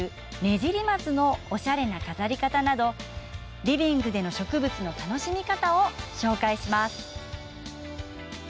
じり松のおしゃれな飾り方などリビングでの植物の楽しみ方を紹介します。